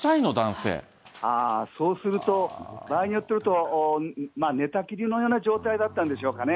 ああ、そうすると、場合によると、寝たきりのような状態だったんでしょうかね。